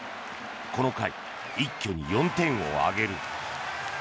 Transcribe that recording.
この回、一挙に４点を挙げる。